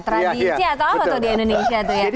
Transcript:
tradisi atau apa tuh di indonesia tuh ya